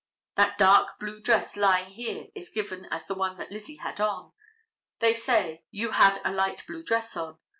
That dark blue dress lying here is given as the one that Lizzie had on. They say, "You had a light blue dress on."